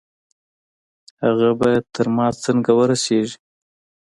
هغه به تر ما څنګه ورسېږي؟